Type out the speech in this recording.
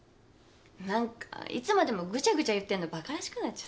何かいつまでもグチャグチャ言ってんのバカらしくなっちゃった。